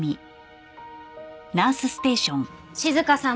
静さん